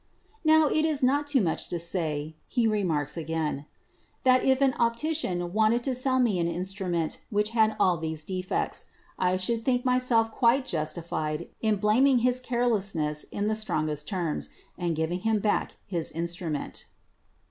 "Now, it is not too much to say," he remarks again, "that if an optician wanted to sell me an instrument which REFLECTION AND REFRACTION 97 had all these defects, I should think myself quite justified in blaming his carelessness in the strongest terms and giving him back his instrument."